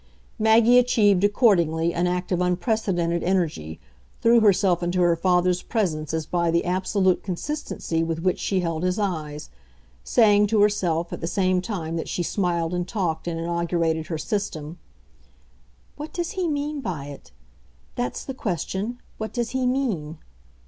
Maggie achieved accordingly an act of unprecedented energy, threw herself into her father's presence as by the absolute consistency with which she held his eyes; saying to herself, at the same time that she smiled and talked and inaugurated her system, "What does he mean by it? That's the question what does he mean?"